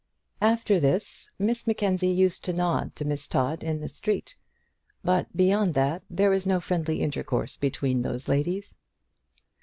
After this Miss Mackenzie used to nod to Miss Todd in the street, but beyond that there was no friendly intercourse between those ladies.